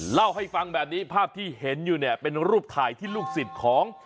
เล่าให้ฟังแบบนี้ภาพที่เห็นอยู่เนี่ยเป็นรูปถ่ายที่ลูกศิษย์ของ